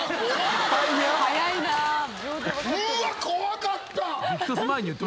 怖かった。